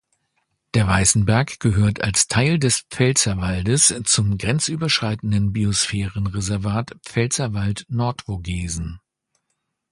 Der Weißenberg gehört als Teil des Pfälzerwaldes zum grenzüberschreitenden Biosphärenreservat Pfälzerwald-Nordvogesen.